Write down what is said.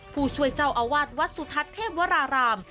ผู้ช่วยเจ้าอาวาสวัดสุทัศน์เทพวราราม